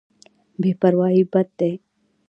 بې پرواهي بد دی.